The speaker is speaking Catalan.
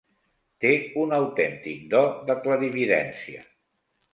Té un autèntic do de clarividència.